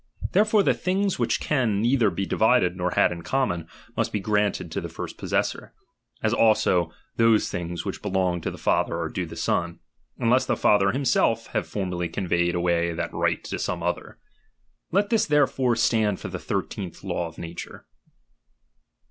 Therefore the things which can neither be divided nor had in common, must be granted to the first possessor ; as also those things which belonged to the father are due to the son, nnless the father himself have formerly conveyed away that right to some other. Let this therefore stand for the thirteenth law of nature.